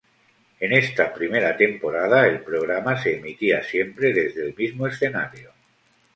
En esta primera temporada el programa se emitía siempre desde el mismo escenario.